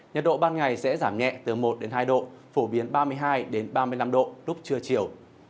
nhiệt độ ban ngày sẽ giảm nhẹ từ một hai độ phổ biến ba mươi hai ba mươi năm độ lúc trưa chiều